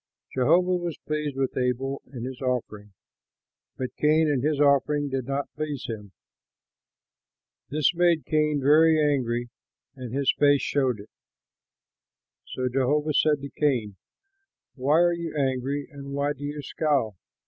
Jehovah was pleased with Abel and his offering, but Cain and his offering did not please him. This made Cain very angry and his face showed it. So Jehovah said to Cain, "Why are you angry and why do you scowl?